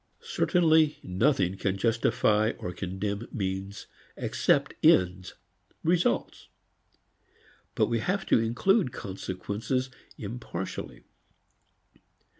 Certainly nothing can justify or condemn means except ends, results. But we have to include consequences impartially.